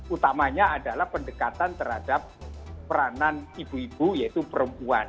utamanya adalah pendekatan terhadap peranan ibu ibu yaitu perempuan